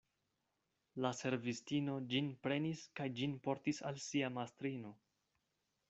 La servistino ĝin prenis kaj ĝin portis al sia mastrino.